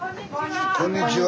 こんにちは。